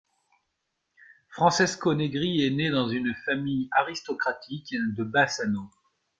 Francesco Negri est né dans une famille aristocratique de Bassano.